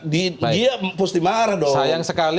dia pasti marah dong